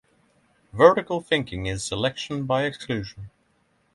Vertical thinking is selection by exclusion.